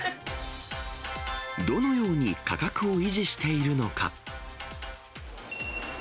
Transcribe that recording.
どのように価格を維持しているのか。